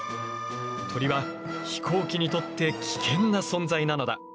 鳥は飛行機にとって危険な存在なのだ。